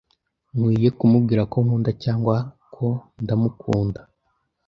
Nkwiye kumubwira ko nkunda cyangwa ko ndamukunda?